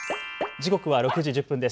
時刻は６時１０分です。